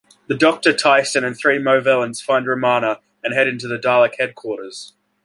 The Doctor, Tyssan and three Movellans find Romana and head into the Dalek headquarters.